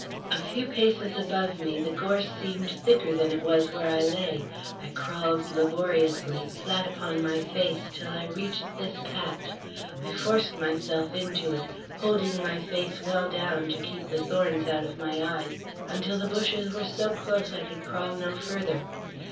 A few paces above me the gorse seemed thicker than it was where I lay. I crawled laboriously, flat upon my face, till I reached this patch. I forced myself into it, holding my face well down to keep the thorns out of my eyes, until the bushes were so close I could crawl no further.